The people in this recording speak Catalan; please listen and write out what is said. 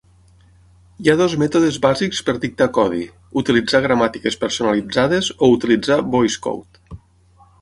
Hi ha dos mètodes bàsics per dictar codi: utilitzar gramàtiques personalitzades o utilitzar VoiceCode.